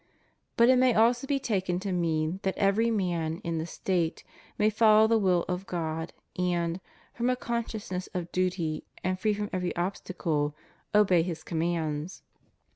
But it may also be taken to mean that every man in the State may follow the will of God and, from a consciousness of duty and free from every obstacle, obey His commands.